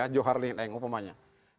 joharli neng umpamanya